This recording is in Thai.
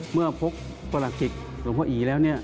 เมื่อพบปลาหลักษิตหลวงพ่ออีแล้ว